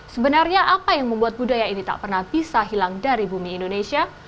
sebenarnya apa yang membuat budaya ini tak pernah bisa hilang dari bumi indonesia